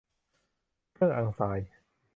เครื่องอังทราย